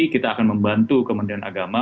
kita akan membantu kementerian agama